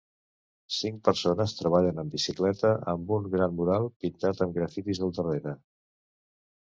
Cinc persones treballen en bicicleta amb un gran mural pintat amb grafitis al darrere.